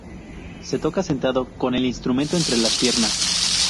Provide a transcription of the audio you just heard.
Se toca sentado con el instrumento entre las piernas.